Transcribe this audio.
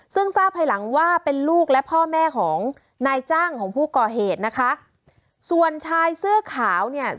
ซึ่งทราบภายหลังว่าเป็นลูกและพ่อแม่ของนายจ้างของผู้ก่อเหตุนะคะส่วนชายเสื้อขาวเนี่ย